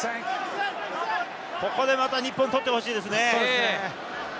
ここでまた日本、取ってほしいですね。